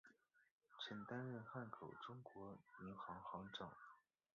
曾担任汉口中国银行行长。